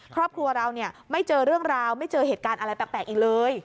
ครอบครัวเราเนี่ยไม่เจอเรื่องราวไม่เจอเหตุการณ์อะไรแปลกอีกเลย